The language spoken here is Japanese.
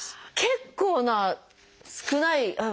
結構な少ない。